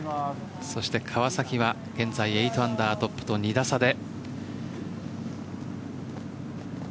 そして川崎は現在８アンダートップと２打差で。